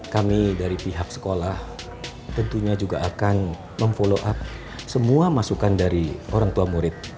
kami dari pihak sekolah tentunya juga akan memfollow up semua masukan dari orang tua murid